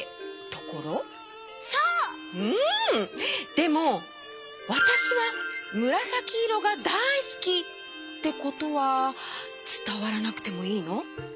でも「わたしはむらさきいろがだいすき」ってことはつたわらなくてもいいの？